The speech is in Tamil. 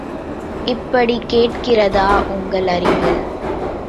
இப்படி கேட்கிறதா உங்கள் அறிவு?